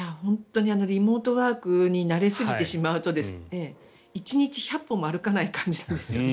リモートワークに慣れすぎてしまうと１日１００歩も歩かない感じなんです。